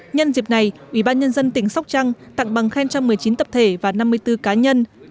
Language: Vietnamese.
nhân dịp này ủy ban nhân dân tỉnh sóc trăng tặng bằng khen cho một mươi chín tập thể và năm mươi bốn cá nhân